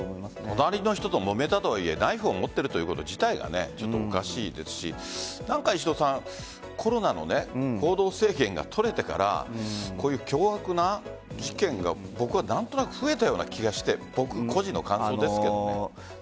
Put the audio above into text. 隣の人がナイフを持っているというのがおかしいですし何かコロナの行動制限が取れてからこういう凶悪な事件が何となく増えたような気がして僕個人の感想ですけど。